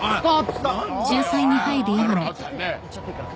行っちゃっていいから